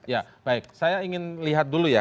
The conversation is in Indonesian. ya baik saya ingin lihat dulu ya